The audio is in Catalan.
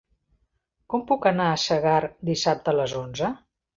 Com puc anar a Segart dissabte a les onze?